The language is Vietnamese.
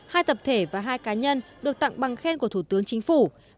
hai tập thể và hai cá nhân được tặng bằng khen của thủ tướng chính phủ